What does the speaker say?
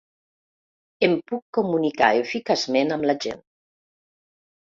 Em puc comunicar eficaçment amb la gent.